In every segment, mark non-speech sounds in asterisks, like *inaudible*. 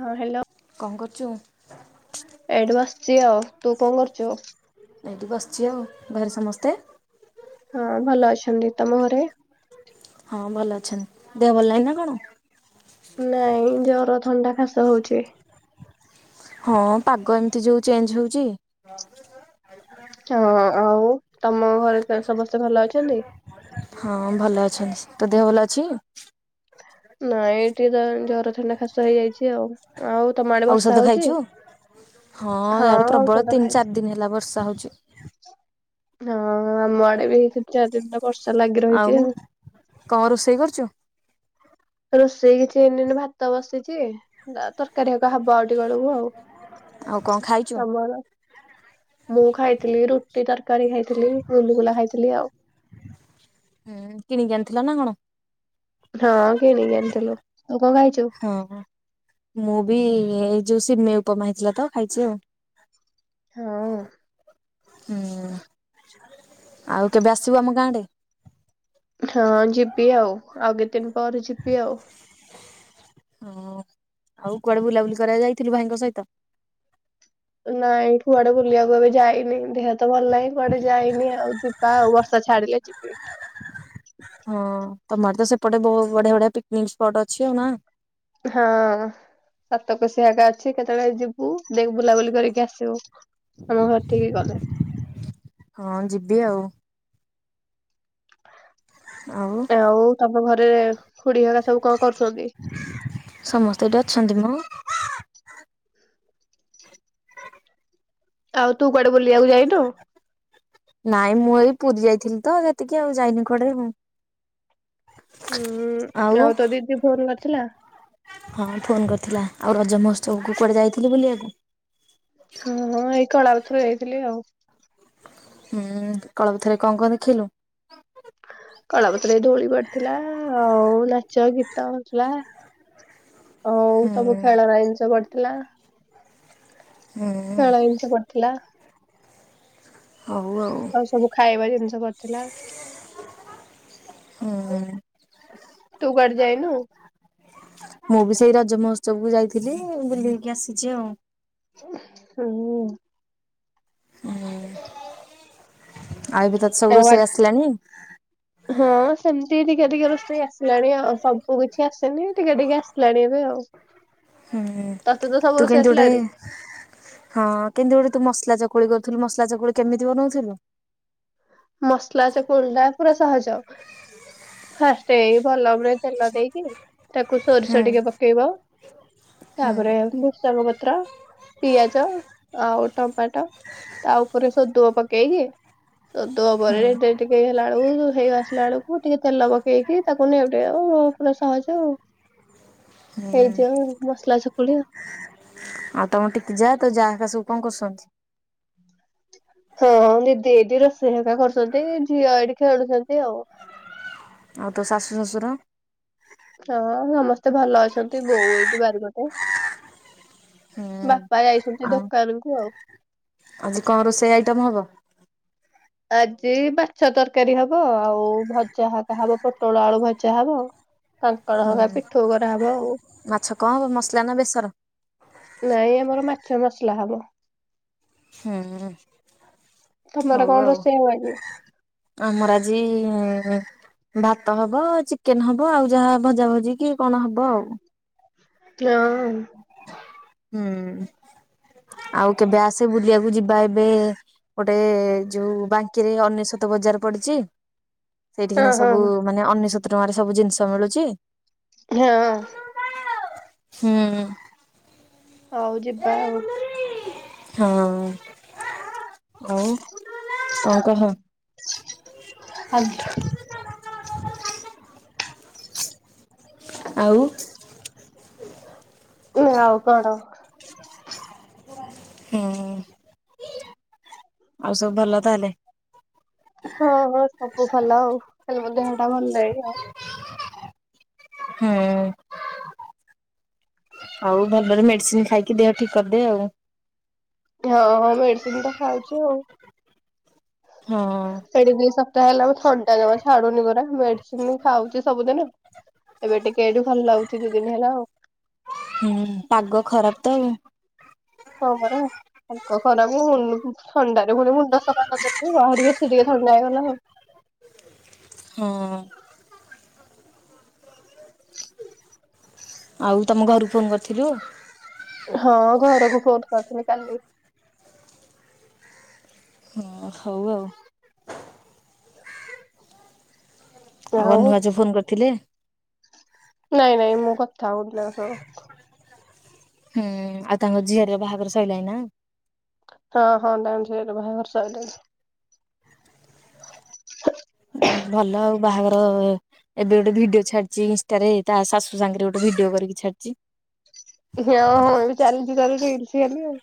ହଁ ହ୍ୟାଲୋ କଣ କରୁଛୁ? ଏଡୁ ଆସୁଛି। ଆଉ ତୁ କଣ କରୁଛୁ? ଏଇଠି ବସିଛି ଆଉ ବାହାରେ ସମସ୍ତେ। ହଁ ଭଲ ଅଛନ୍ତି। ତମ ଘରେ? ହଁ ଭଲ ଅଛନ୍ତି। ଦେହ ଭଲ ନାହିଁ ନା କଣ? ନାଇଁ ଜର ଥଣ୍ଡା ଖାସ ହୋଉଛି। ହଁ ପାଗ ଏମିତି ଯୋଉ ଚେଞ୍ଜ ହୋଉଛି। ହଁ ଆଉ ତମ ଘରେ ସମସ୍ତେ ଭଲ ଅଛନ୍ତି? ହଁ ଭଲ ଅଛନ୍ତି। ତୋ ଦେହ ଭଲ ଅଛି? ନାଇଁ ଏଇଠି ତ ଜର ଥଣ୍ଡା ଖାସ ହେଇଯାଇଛି ଆଉ। ଆଉ ତମ ଆଡେ ଔଷଧ ବର୍ଷା ହୋଉଛି? ଖାଇଛୁ ହଁ ଇଆଡେ ପ୍ରବଳ ତିନି ଖାଇଛି ଚାରି ଦିନ ହେଲା ବର୍ଷା ହୋଉଛି। ହଁ ଆମ ଆଡେ ବି ଦୀ ଚାର ଦିନ ବର୍ଷା ଲାଗିଲା। ଆଉ କଣ ରୋଷେଇ କରିଛୁ? ରୋଷେଇ କିଛି ହେଇନି ଏନୁ ଭାତ ବସିଛି। ତରକାରୀ ହେକା ହବ ଆଉ ଟିକେ ବେଳକୁ ଆଉ। ଆଉ କଣ ଖାଇଛୁ? ତମର? ମୁଁ ଖାଇଥିଲି ରୁଟି ତରକାରୀ ଖାଇଥିଲି ଗୁଲଗୁଲା ଖାଇଥିଲି ଆଉ। ହୁଁ କିଣିକି ଆଣିଥିଲ ନା କଣ? ହଁ କିଣିକି ଆଣିଥିଲୁ। ଆଉ କଣ ଖାଇଛୁ? ହଁ। ମୁଁ ବି ଏଇ ଯୋଉ ସିମେଇ ଉପମା ହେଇଥିଲା ତ ଖାଇଛି ଆଉ। ହଁ। ହୁଁ ଆଉ କେବେ ଆସିବୁ ଆମ ଗାଁ ଆ? ହଁ ଯିବି ଆଉ ଆଉ କେତେଦିନ ପରେ ଯିବି ଆଉ। ହଁ ଆଉ କୁଆଡେ ବୁଲାବୁଲି କରିବାକୁ ଯାଇଥିଲୁ ଭାଇଙ୍କ ସହିତ? ନାଇଁ କୁଆଡେ ବୁଲିବାକୁ ଏବେ ଯାଇନି। ଦେହ ତ ଭଲ ନାହିଁ କୁଆଡେ ଯାଇନି ଆଉ ଯିବା ଆଉ ବର୍ଷା ଛାଡିଲେ ଯିବ ହଁ ତମର ତ ସେପଟେ ବହୁତ ବଢିଆ ବଢିଆ ପିକ୍ନିକ ସ୍ପଟ ଅଛି ଆଉ ନା? ହଁ। ସାତକୋସିିଆ ହେକା ଅଛି କେତେବେଳେ ଯିବୁ ଦେଖ୍ ଯିବୁ ବୁଲାବୁଲି କରିକି ଆସିବୁ। ଆମ ଘର ଠିକ ଗଲେ। ହଁ ଯିବି ଆଉ। ଆଉ ତମ ଘରେ ଖୁଡି ହେକା ସବୁ କଣ କରୁଛନ୍ତି? ସମସ୍ତେ ଏଠି ଅଛନ୍ତି ମ। ଆଉ ତୁ କୁଆଡେ ବୁଲିବାକୁ ଯାଇନୁ? ନାଇଁ ମୁଁ ଏଇ ପୁରୀ ଯାଇଥିଲି ତ ଯେତିକି ଆଉ ଯାଇନି କୁଆଡେ ଆଉ। ହୁଁ ଆଉ ତୋ ଦିଦି ଫୋନ କରିଥିଲା? ହଁ ଫୋନ କରିଥିଲା। ଆଉ ରଜ ମହୋତ୍ସବକୁ କୁଆଡେ ଯାଇଥିଲୁ ବୁଲିବାକୁ? ହଁ ଏଇ କଳାପଥର ଯାଇଥିଲି ଆଉ। ହୁଁ କଳପଥରେ କଣ କଣ ଦେଖିଲୁ? କଳାପଥରେ ଧୋଉଳି ପଡିଥିଲା ଆଉ ନାଚ ଗୀତ ହୋଉଥିଲା। ଆଉ ସବୁ ହୁଁ ଖେଳନା ଜିନିଷ ପଡିଥିଲା। ହୁଁ। ଖେଳନା ଜିନିଷ ପଡ଼ିଥିଲା। ହଉ ଆଉ। ସବୁ ଖାଇବା ଜିନିଷ ପଡ଼ିଥିଲା। ଉଁ ହୁଁ। ତୁ କୁଆଡେ ଯାଇନୁ? ମୁଁ ବି ସେଇ ରଜ ମହୋତ୍ସବ କୁ ଯାଇଥିଲି ବୁଲି ହେଇକି ଆସିଚି ଆଉ। ହୁଁ। ଆଉ ଏବେ ତତେ ସବୁ ତା ରୋଷେଇ ୱାଚ। ଆସିଲାଣି ହଁ ସେମିତି ଟିକେ ଟିକେ ରୋଷେଇ ଆସିଲାଣି ଆଉ ସବୁ କିଛି ଆସେନି ଟିକେ ଟିକେ ଆସିଲାଣି ଏବେ ଆଉ। ହୁଁ ତତେ ତ ସବୁ ତୁ ରୋଷେଇ କେମିତି ଗୋଟେ। ଆସିଲାଣି? ହଁ କେମିତି ଗୋଟେ ତୁ ମସଲା ଚକୁଳି କରିଥିଲୁ ମସଲା ଚକୁଳି କେମିତି ବନଉଥିଲୁ? ମସଲା ଚକୁଳି ଟା ପୁରା ସହଜ। ଫାର୍ଷ୍ଟେ ଏଇ ଭଲ ଭାବରେ ତେଲ ଦେଇକି। ତାକୁ ସୋରିଷ ହୁଁ ଟିକେ ପକେଇବ ତାପରେ ଭୃସଙ୍ଗ ପତ୍ର, ପିଆଜ ଆଉ ଟମାଟୋ। ତା ଉପରେ ସୋଦୁଅ ପକେଇକି। ସୋଦୁଅ ପରେ ଟା ଟିକେ ହେଲା ବେଳକୁ ହେଇ ଆସିଲା ବେଳକୁ ଟିକେ ତେଲ ପକେଇକି ତାକୁ ନେଉଟେଇ ଦବ। ପୁରା ସହଜ ଆଉ। ହଁ ହେଇ ଯାଏ ମସଲା ଚକୁଳି। ଆଉ ତମ ଟିକି ଝିଅ ଆଉ ତୋ ଯା ହେରିକା ସବୁ କଣ କରୁଛନ୍ତି? ହଁ ଦି ଦି ଏଇଠି ରୋଷେଇ ହେରିକା କରୁଚନ୍ତି ଝିଅ ଏଇଠି ଖେଳୁଚନ୍ତି ଆଉ। ଆଉ ତୋ ଶାଶୁ ଶଶୁର? ହଁ ସମସ୍ତେ ଭଲ ଅଛନ୍ତି ବୋଉ ଏଇଠି ବାରି ପଟେ। ହୁଁ ବାପା ଯାଇଛନ୍ତି ଆଉ ଦୋକାନୁ କୁ ଆଉ। ଆଜି କଣ ରୋଷେଇ ଆଇଟମ୍ ହବ? ଆଜି ମାଛ ତରକାରୀ ହବ ଆଉ ଭଜା ହରିକା ହବ ପୋଟଳ ଆଳୁ ଭଜା ହବ। କାଙ୍କଡ଼ ହୁଁ ହକା ପିଠଉ କରାହବ ଆଉ। ମାଛ କଣ ହବ ମସଲା ନା ବେସର? ନାଇଁ ଆମର ମାଛ ମସଲା ହବ। ହୁଁ। ତମର ହଉ କଣ ଆଉ ରୋଷେଇ ହବ ଆଜି? ଆମର ଆଜି ଉଁ। ଭାତ ହବ ଚିକେନ୍ ହବ ଆଉ ଯାହା ଭଜା ଭଜି କି କଣ ହବ ଆଉ। ନମ। ହୁଁ ଆଉ କେବେ ଆସେ ବୁଲିଆକୁ ଯିବା ଏବେ? ଗୋଟେ ଯୋଉ ବାଙ୍କିରେ ଅନେଶୋତ ବଜାର ପଡିଚି। ସେଇଠିକିନା ହଁ ହଁ ସବୁ ମାନେ ଅନେଶୋତ ଟଙ୍କାରେ ସବୁ ଜିନିଷ ମିଳୁଚି। ହଁ। ହୁଁ। ହଉ ଯିବା ଆଉ। ହଁ ଆଉ କଣ କହ? *unintelligible* ଆଉ। ନା ଆଉ କଣ। ହୁଁ। ଆଉ ସବୁ ଭଲ ତାହେଲେ? ହଁ ହଁ ସବୁ ଭଲ ଆଉ ଖାଲି ମୋ ଦେହ ଟା ଭଲ ନାଇଁ ଆଉ। ହୁଁ। ଆଉ ଭଲରେ ମେଡିସିନ ଖାଇକି ଦେହ ଠିକ କରିଦେ ଆଉ। ଦେହ ହଁ ମେଡିସିନ ତ ଖାଉଚି ଆଉ। ହଁ। ସେଠି ଦି ସପ୍ତାହ ହେଲା ମୁଁ ଥଣ୍ଡା ଜମା ଛାଡୁନି ପରା ମେଡିସିନ ଖାଉଚି ସବୁଦିନେ। ଏବେ ଟିକେ ଏଇଠୁ ଭଲ ଲାଗୁଚି ଦି ଦିନ ହେଲା ଆଉ। ହୁଁ। ପାଗ ଖରାପ ତ ଆଉ। ହଁ ପରା। ପାଗ ଖରାପ କୁ *unintelligible* ଥଣ୍ଡାରେ ପୁଣି ମୁଣ୍ଡ ସଫା କରିଦେଲି ଆହୁରି ବେଶୀ ଟିକେ ଥଣ୍ଡା ହେଇଗଲା ଆଉ। ହଁ। ଆଉ ତମ କୁ ଘରୁ ଫୋନ୍ କରିଥିଲୁ? ହଁ ଘରକୁ‌ ଫୋନ୍ କରିଥିଲେ କାଲି। ଓ ହଉ ଆଉ। ଆମର ଆଉ ନୂଆ ଯୋଉ ଫୋନ କରିଥିଲେ। ନାଇଁ ନାଇଁ ମୁଁ କଥା ହୋଉଥିଲି ତାଙ୍କ ସହ। ହୁଁ ଆଉ ତାଙ୍କ ଝିଅରୀର ବାହାଘର ସଇଲାଣି ନା? ହଁ ହଁ ତାଙ୍କ ଝିଆରୀର ବାହାଘର ସଇଲାଣି। *inaudible* ଭଲ ଆଉ ବାହାଘର ଏବେ ଗୋଟେ ଭିଡିଓ ଛଡିଚି ଇନଷ୍ଟାରେ ତା ଶାଶୁ ସାଙ୍ଗେରେ ଗୋଟେ ଭିଡିଓ କରିକି ଛାଡିଚି। ହଁ, ହଁ ଏବେ ଚାଲିଚି ଚାଲିଚି ରିଲ୍ସ ଖାଲି ଆଉ।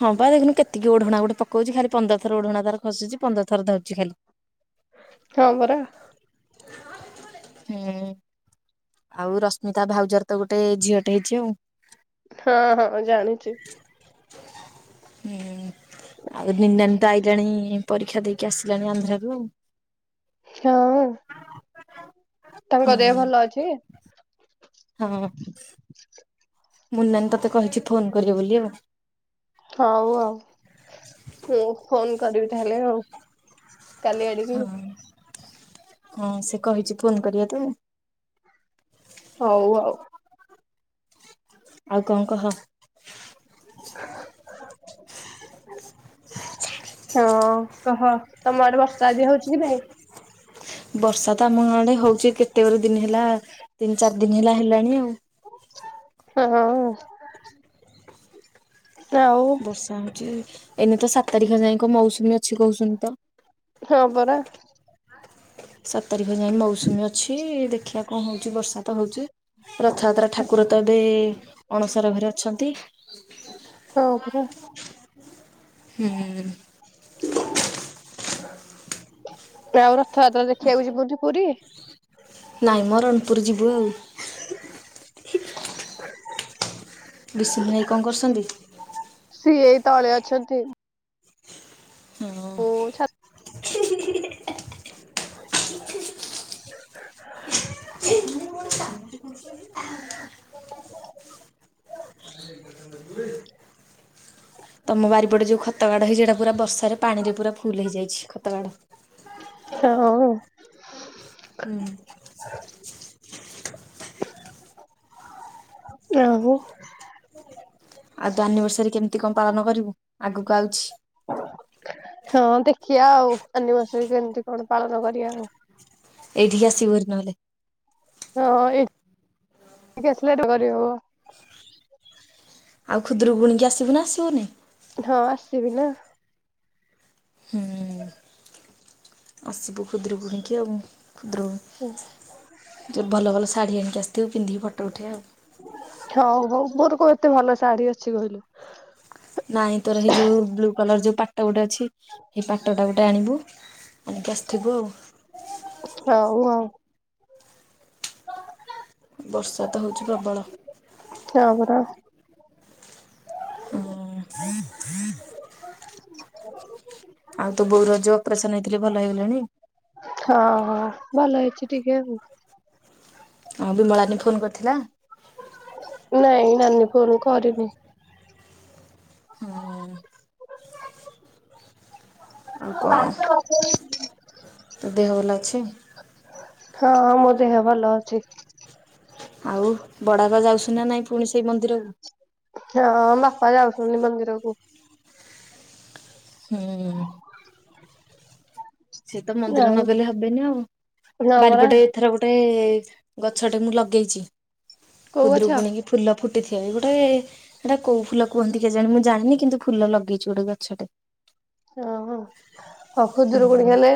ହଁ ପା ଦେଖୁନୁ କେତିକି ଓଢଣା ଗୋଟେ ପକଉଚି। ଖାଲି ପନ୍ଦର ଥର ଓଢଣା ତାର ଖସୁଚି ପନ୍ଦର ଥର ଧରୁଚି ଖାଲି। ହଁ ପରା। ହୁଁ। ଆଉ ରଶ୍ମିତା ଭାଉଜର ତ ଗୋଟେ ଝିଅଟେ ହେଇଚି ଆଉ। ହଁ ହଁ ଜାଣିଚି। ହୁଁ। ଆଉ ନିନି ନାନୀ ତ ଆଇଲାଣି ପରୀକ୍ଷା ଦେଇକି ଆସିଲାଣି ଆନ୍ଧ୍ରରୁ ଆଉ। କ୍ଷ ହଁ। ତାଙ୍କ ଦେହ ହୁଁ। ଭଲ ଅଛି? ହଁ। ମୁନି ନାନୀ ତୋତେ କହିଛି ଫୋନ କରିବେ ବୋଲି ଆଉ। ହଉ ଆଉ। ମୁଁ ଫୋନ କରିବି ତାହେଲେ ଆଉ। କାଲି ଆଡିକି ହଁ। ହଁ ସେ କହିଛି ଫୋନ କରିବା ପାଇଁ। ହଉ ଆଉ। ଆଉ କଣ କହ? ହଁ, କହ ତମ ଆଡ଼େ ବର୍ଷା ଆଜି ହଉଛି କି ନାହିଁ? ବର୍ଷା ତ ଆମ ଆଡ଼େ ହଉଛି କେତେ ଗୁରେ ଦିନ ହେଲା ତିନି ଚାରି ଦିନ ହେଲା ହେଲାଣି ଆଉ। ହଁ ହଉ ଆଉ ବର୍ଷା ହଉଛି। ଏଇନେ ତ ସାତ ତାରିଖ ଯାଏ କଣ ମୌସୁମୀ ଅଛି କହୁଚନ୍ତି ତ। ହଁ ପରା। ସାତ ତାରିଖ ଯାଏ ମୌସୁମୀ ଅଛି। ଦେଖିବା କଣ ହଉଛି ବର୍ଷା ତ ହଉଛି। ରଥଯାତ୍ରା ଠାକୁର ତ ଏବେ ଅଣସର ଘରେ ଅଛନ୍ତି। ହଁ, ପରା। ହୁଁ। ଆଉ ରଥଯାତ୍ରା ଦେଖିବାକୁ ଯିବୁ କି ପୁରୀ? ନାଇଁମ ରଣପୁର ଯିବୁ ଆଉ। *inaudible* ବିଶୁଲ ଭାଇ କଣ କରୁଛନ୍ତି? ସିଏ ଏଇ ତଳେ ଅଛନ୍ତି। ହଉ। ମୁଁ ଛା ତମ ବାରିପଟେ ଯୋଉ ଖତ ଗାଡ଼ ହେଇଚି ସେଟା ପୁରା ବର୍ଷାରେ ପାଣିରେ ପୁରା ଫୁଲ୍ ହେଇଯାଇଛି ଖତ ଗାଡ଼। ହଉ। ହୁଁ। ଆଉ। ଆଉ ତ ଆନିଭର୍ସରୀ କେମିତି କଣ ପାଳନ କରିବୁ ଆଗକୁ ଆଉଚି। ହଁ ଦେଖିବା ଆଉ ଆନିଭର୍ଶରି କେମତି କଣ ପାଳନ କରିବା ଆ ଏଇଠିକୁ ଆସିବୁ ହରି ନହେଲେ। ହଁ କେ ସଲେଟ କରି ହେବ। ଆଉ ଖୁଦରୁକୁୁଣି କି ଆସିବୁ ନା ଆସିବୁନି। ହଁ ଆସିବି ନା। ହୁଁ। ଆସିବୁ ଖୁଦୁରୁକୁୁଣି କି ଆଉ ଖୁଦ୍ରରୁକୁଣି। ଯେଉ ଭଲ ଭଲ ଶାଢ଼ୀ ଆଣିକି ଆସିଥିବ ପିନ୍ଧିକି ଫଟୋ ଉଠେଆ ହଁ ହଉ ମୋର କୋଉଠି ଏତେ ଭଲ ଶାଢ଼ୀ ଅଛି କହିଲୁ। ନାଇଁ ତୋର ସେଇ ଯୋଉ ବ୍ଲୁ କଲର ଯୋଉ ପାଟ ଗୋଟେ ଅଛି, ସେଇ ପାଟଟା ଗୋଟେ ଆଣିବୁ। ଆମେ ଆସଥିବୁ ଆଉ ହଉ ହଉ। ବର୍ଷା ତ ହଉଚି ପ୍ରବଳ। ହଁ ପରା। ହୁଁ। *inaudible* ଆଉ ତୋ ବୋଉର ଯୋଉ ଅପରେସନ ହେଇଥିଲେ ଭଲ ହେଇଗଲେଣି? ହଁ ହଁ ଭଲ ହେଇଚି ଟିକେ ଆଉ। ହଁ ବିମଳାନୀ ଫୋନ୍ କରିଥିଲା? ନାଇଁ ନାନୀ ଫୋନ କରିନି। ହଁ। ଆଉ କଣ ତୋ ଦେହ ଭଲ ଅଛି? ହଁ ହଁ ମୋ ଦେହ ଭଲ ଅଛି। ଆଉ ବଡାବାପା ଯାଉଚନ୍ତୀ ନା ନାଇଁ ପୁଣି ସେଇ ମନ୍ଦିରକୁ। ହଁ ବାପା ଯାଉଚନ୍ତି ମନ୍ଦିରକୁ। ହୁଁ। ସେ ତ ମନ୍ଦିର ଆଉ ନଗଲେ ହେବନି ଆଉ ହଁ ପରା। ବାରିପଟେ ଏଥର ଗୋଟେ ଗଛ ଟେ ମୁଁ ଲଗେଇଚି କୋଉ ଗଛ? ଖୁଦୁରୁ କୁଣିକି ଫୁଲ ଫୁଟିଥିବ ବି ଗୋଟେ ସେଟା କଉ ଫୁଲ କୁହନ୍ତି କେ ଜାଣି ମୁଁ ଜାଣିନି କିନ୍ତୁ ଫୁଲ ଲଗେଇଚି ଗୋଟେ ଗଛଟେ। ଓହୋ ହଉ ଖୁଦୁରକୁୁଣି ହୁଁ ହେଲେ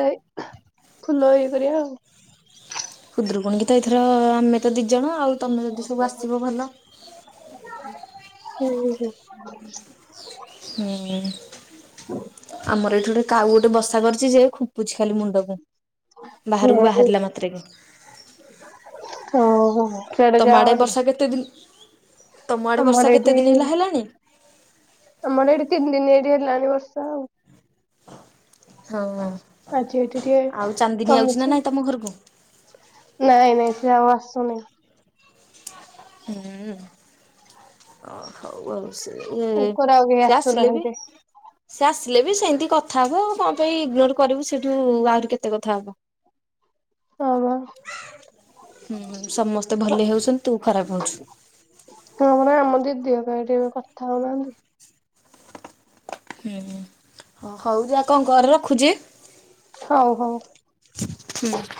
ଫୁଲ ଇଏ କରିବ ଆଉ। ଖୁଦରୁକୁଣୀ କି ତ ଏଥର ଆମେ ତ ଦିଇ ଜଣ ଆଉ ତମେ ଯଦି ସବୁ ଆସିବ ଭଲ। ହୁଁ ହୁଁ। *inaudible* ହୁଁ। ଆମର ଏଇଠି ଗୋଟେ କାଉ ଗୋଟେ ବସା କରିଚି ଯେ ଖୁପୁଛି ଖାଲି ମୁଣ୍ଡକୁ। ବାହାରକୁ ବାହାରିଲା ମାତ୍ରେକେ। ଓ ହ। ତମ ଆଡେ ବର୍ଷା କେତେ ଦିନ, ତମ ଆଡେ ଆମର ବର୍ଷା ଏଇଠି କେତେ ଦିନି ହେଲା ହେଲାଣି। ଆମର ଏଇଠି ତିନି ଦିନ ଏଇଠି ହେଲାଣି ବର୍ଷା ଆଉ। ହଁ। ଆଜି ଏଠି ଟିକେ ଆଉ ଚାନ୍ଦିନୀ ଆଉଛି ନା କମିଚି। ନାଇଁ ତମ ଘରକୁ ନାଇଁ ନାଇଁ ସେ ଆଉ ଆସୁନି। ହୁଁ ଓ ହଉ ଆଉ ଉ ସେ ଇଏ ତାଙ୍କର ଆଉ କେହି ଆସିଲେ ବି ଆସୁନାହାନ୍ତି। ସେ ଆସିଲେ ବି ସେମିତି କଥା ହବୁ କଣ ପାଇଁ ଇଗନୋର କରିବୁ ସେଇଠୁ ଆହୁରି କେତେ କଥା ହବ। ହମ ହୁଁ ସମସ୍ତେ ବା ଭଲେଇ ହଉଛନ୍ତି ତୁ ଖରାପ ହଉଛୁ। ହଁ ପରା ଆମ ଦିଦିଙ୍କ ପାଇଁ ଟିକେ ଏବେ କଥା ହବା। ଉଁ ହୁଁ ହଉ ଯା କଣ କର ରଖୁଛି? ହଉ, ହଉ। ହୁଁ।